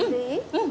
うん。